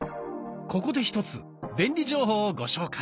ここで１つ便利情報をご紹介。